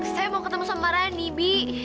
saya mau ketemu sama randi bi